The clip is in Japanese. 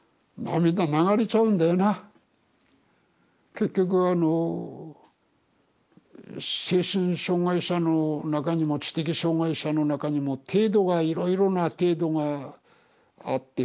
結局あの精神障害者の中にも知的障害者の中にも程度がいろいろな程度があってね